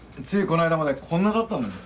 この間までこんなだったのに。